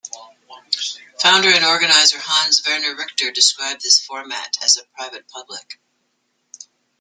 Founder and organizer Hans Werner Richter described this format as a "private public".